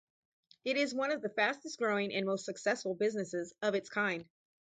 It is one of the fastest growing and most successful businesses of its kind.